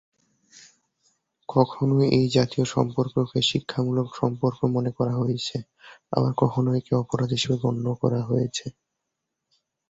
কখনও এই জাতীয় সম্পর্ককে শিক্ষামূলক সম্পর্ক মনে করা হয়েছে; আবার কখনও একে অপরাধ হিসেবে গণ্য করা হয়েছে।